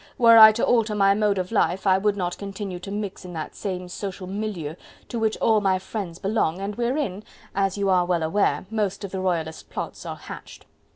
Were I to alter my mode of life I could not continue to mix in that same social milieu to which all my friends belong and wherein, as you are well aware, most of the royalist plots are hatched.